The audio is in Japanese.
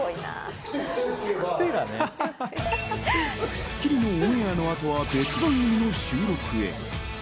『スッキリ』のオンエアの後は別番組の収録へ。